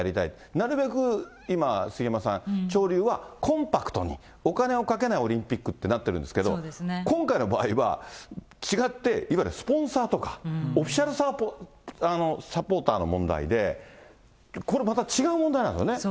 なるべく今、杉山さん、潮流はコンパクトに、お金をかけないオリンピックってなってるんですけど、今回の場合は、違って、いわゆるスポンサーとか、オフィシャルサポーターの問題で、そうですね。